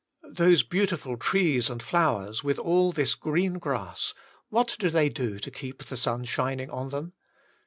Those beautiful trees and flowers, with all this green grass, what do they do to keep the sun shiuing on them